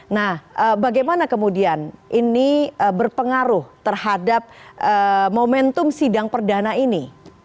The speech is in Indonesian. nah bagaimana kemudian ini berpengaruh terhadap momentum sidang perdana ini